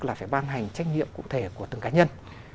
là phải ban hành trách nhiệm cụ thể của từng cá nhân